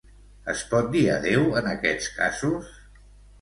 Es pot dir adeu en aquests casos?